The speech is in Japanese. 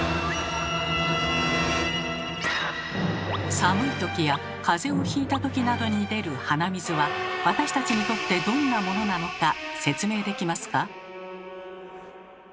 寒いときやかぜをひいたときなどに出る鼻水は私たちにとってどんなものなのか説明できますか？